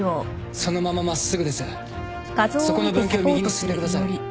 そこの分岐を右に進んでください